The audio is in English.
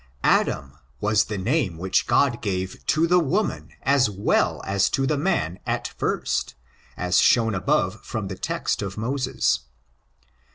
Adam was the name which God gave to the woman as well as to the man at first, as shown above from the text of Moses.